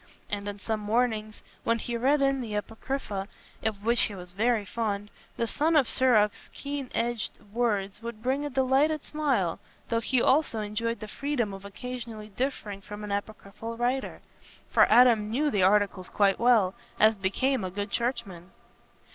And on some mornings, when he read in the Apocrypha, of which he was very fond, the son of Sirach's keen edged words would bring a delighted smile, though he also enjoyed the freedom of occasionally differing from an Apocryphal writer. For Adam knew the Articles quite well, as became a good churchman.